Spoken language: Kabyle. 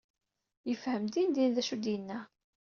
Yefhem dindin d acu i d-yenna.